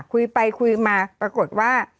คุยไปคุยมาปรากฏว่า